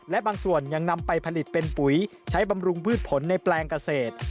และบางส่วนยังนำไปผลิตเป็นปุ๋ยใช้บำรุงพืชผลในแปลงเกษตร